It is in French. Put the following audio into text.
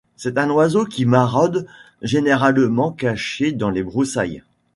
C'est un oiseau qui maraude généralement caché dans les broussailles.